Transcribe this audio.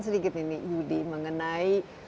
sedikit ini yudi mengenai